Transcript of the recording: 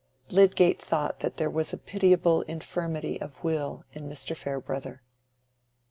Lydgate thought that there was a pitiable infirmity of will in Mr. Farebrother.